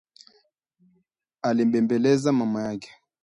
alimbembeleza mama yake